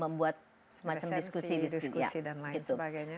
membuat semacam diskusi diskusi dan lain sebagainya